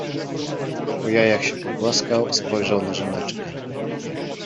Po jajach się pogłaskał, spojrzał na żoneczkę: